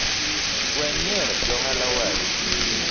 Wenyiero johala wadu